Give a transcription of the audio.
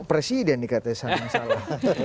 presiden nih katanya sama sama